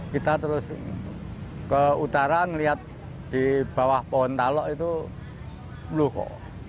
kita terus ke utara ngeliat di bawah pohon talok itu flu kok